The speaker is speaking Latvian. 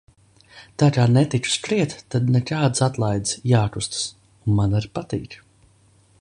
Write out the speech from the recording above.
Tā kā netiku skriet, tad nekādas atlaides – jākustas. Un man ar patīk.